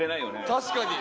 確かに。